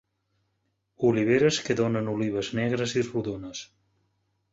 Oliveres que donen olives negres i rodones.